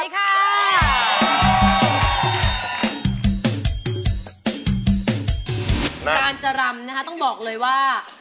การจะรำต้องบอกเลยว่า